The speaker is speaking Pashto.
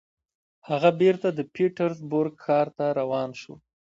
هغه بېرته د پیټرزبورګ ښار ته روان شو